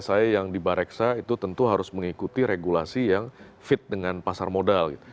saya yang di bareksa itu tentu harus mengikuti regulasi yang fit dengan pasar modal